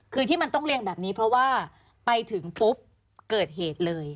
คือที่มันต้องเรียงแบบนี้เพราะว่าไปถึงปุ๊บเกิดเหตุเลย